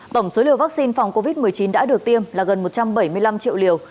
tổng số liều vaccine phòng covid một mươi chín đã được tiêm là gần một trăm bảy mươi năm triệu liều